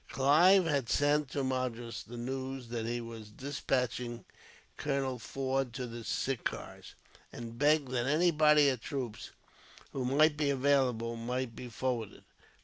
Clive had sent to Madras the news that he was despatching Colonel Forde to the Sirkars, and begged that any body of troops who might be available might be forwarded.